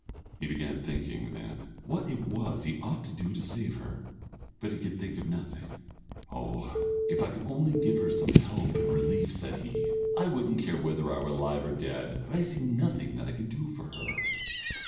He began thinking, then, what it was he ought to do to save her, but he could think of nothing. "Oh! if I could only give her some help and relief," said he, "I wouldn't care whether I were alive or dead; but I see nothing that I can do for her."